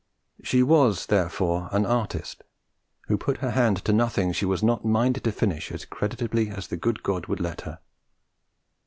She was therefore an artist, who put her hand to nothing she was not minded to finish as creditably as the good God would let her.